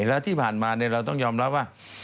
และที่ผ่านมาเราต้องยอมรับว่า